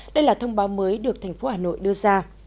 đây là thông báo mới được thành phố hà nội đưa ra